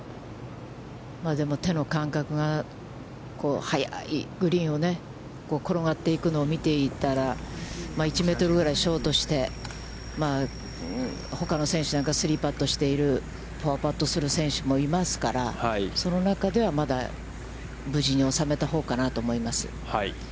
でも手の感覚が、速いグリーンを転がっていくのを見ていたら、１メートルぐらいショートして、ほかの選手なんかは３パットしている、４パットする選手もいますから、その中では、まだ無事におさめたほうかなと思います。